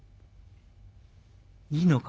「いいのか？」。